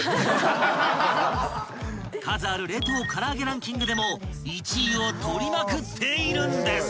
［数ある冷凍から揚げランキングでも１位を取りまくっているんです］